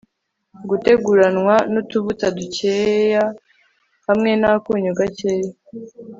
guteguranwa nutuvuta dukeya hamwe nakunyu gakeya